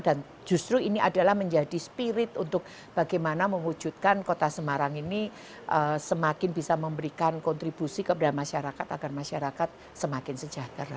dan justru ini adalah menjadi spirit untuk bagaimana mengwujudkan kota semarang ini semakin bisa memberikan kontribusi kepada masyarakat agar masyarakat semakin sejahtera